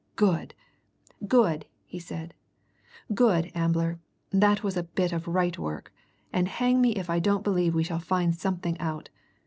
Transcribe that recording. "Good good!" he said. "Good, Ambler! That was a bit of right work, and hang me if I don't believe we shall find something out.